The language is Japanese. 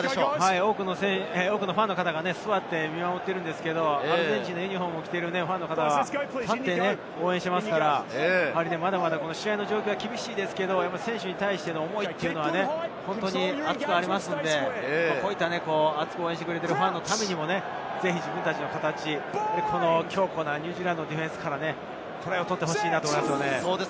多くのファンの方が座って見守っているんですけれど、アルゼンチンのユニホームを着ている方は立って応援していますから、まだまだ試合の状況は厳しいですけれど、選手への思いは熱いものがありますので、熱く応援してくれるファンのためにもぜひ自分たちの形、強固なニュージーランドのディフェンスからトライを取ってほしいと思いますよね。